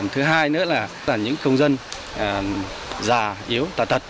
thứ hai nữa là những công dân già yếu tà tật